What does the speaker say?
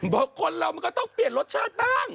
เพราะคนเรามันก็ต้องเปลี่ยนรสชาติบ้าง